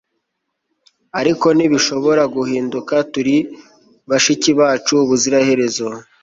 Ariko ntibishobora guhinduka turi bashiki bacu ubuziraherezo